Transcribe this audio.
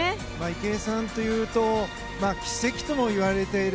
池江さんというと奇跡ともいわれている